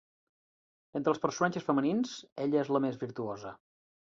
Entre els personatges femenins, ella és la més virtuosa.